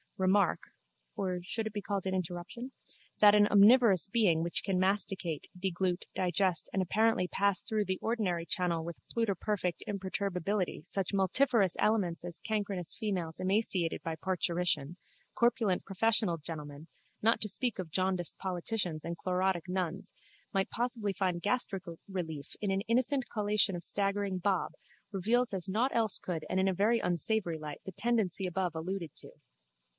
remark (or should it be called an interruption?) that an omnivorous being which can masticate, deglute, digest and apparently pass through the ordinary channel with pluterperfect imperturbability such multifarious aliments as cancrenous females emaciated by parturition, corpulent professional gentlemen, not to speak of jaundiced politicians and chlorotic nuns, might possibly find gastric relief in an innocent collation of staggering bob, reveals as nought else could and in a very unsavoury light the tendency above alluded to.